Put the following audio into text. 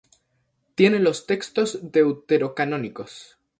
Tiene los textos deuterocanónicos.